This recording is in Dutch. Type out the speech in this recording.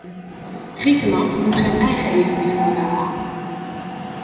Griekenland moet zijn eigen evenwicht bewaren.